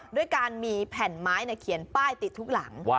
ด้วยการมีแผ่นไม้เขียนป้ายติดทุกหลัง